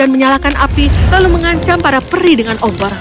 menggunakan api lalu mengancam para pri dengan obor